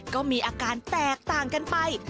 ก็มีอาการแตกต่างกันไป